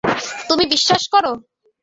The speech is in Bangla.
তুমি বিশ্বাস করো?